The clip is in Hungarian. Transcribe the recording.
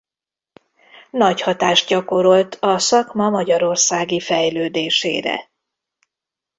Nagy hatást gyakorolt a szakma magyarországi fejlődésére.